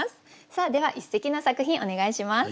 さあでは一席の作品お願いします。